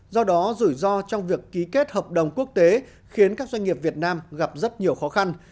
do đó rủi ro trong việc ký kết hợp đồng quốc tế khiến các doanh nghiệp việt nam gặp rất nhiều khó khăn